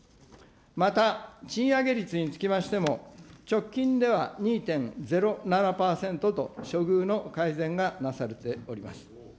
また、賃上げ率につきましても、直近では２．０７％と、処遇の改善がなされております。